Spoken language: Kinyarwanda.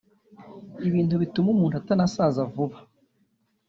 ibintu bituma umuntu atanasaza vuba